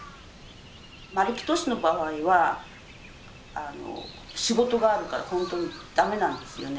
丸木俊の場合は仕事があるからほんとにダメなんですよね。